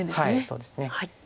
そうですね。